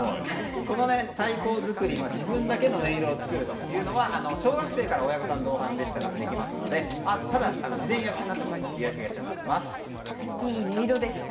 この太鼓作り自分だけの音色を作るというのは小学生から親御さん同伴でしたらできますのでいい音色でした。